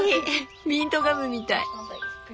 ミントガムみたい。